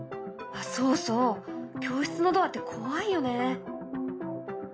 そうそう教室のドアって怖いよね。